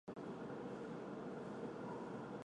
上奥里藏特是巴西戈亚斯州的一个市镇。